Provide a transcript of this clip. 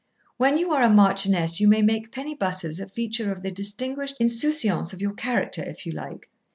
"When you are a marchioness you may make penny buses a feature of the distinguished insouciance of your character if you like.